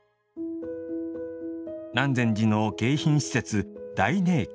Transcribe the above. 南禅寺の迎賓施設、大寧軒。